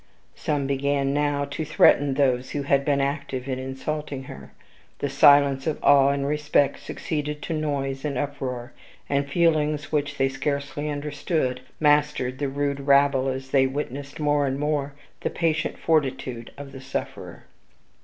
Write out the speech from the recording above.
Some began now to threaten those who had been active in insulting her. The silence of awe and respect succeeded to noise and uproar; and feelings which they scarcely understood, mastered the rude rabble as they witnessed more and more the patient fortitude of the sufferer.